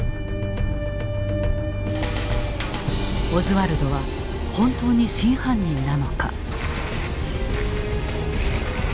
オズワルドは本当に真犯人なのか？